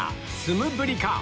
ツムブリか？